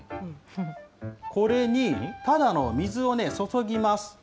これに、ただの水をね、注ぎます。